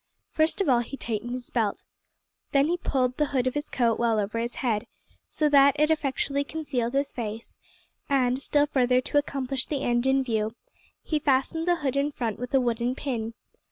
First of all he tightened his belt. Then he pulled the hood of his coat well over his head, so that it effectually concealed his face, and, still further to accomplish the end in view, he fastened the hood in front with a wooden pin.